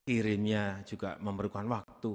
irimnya juga memerlukan waktu